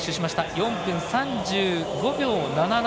４分３５秒７７。